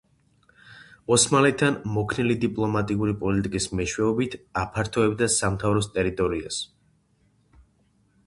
ოსმალეთთან მოქნილი დიპლომატიური პოლიტიკის მეშვეობით აფართოებდა სამთავროს ტერიტორიას.